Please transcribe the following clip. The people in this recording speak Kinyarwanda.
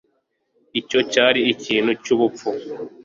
icyo cyari ikintu cyubupfu